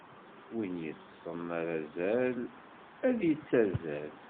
Win yeṭṭsen ar azal, ad d-yettazzal.